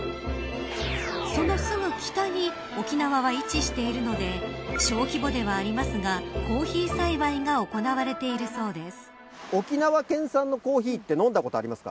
そのすぐ北に沖縄は位置しているので小規模ではありますがコーヒー栽培が行われているそうです。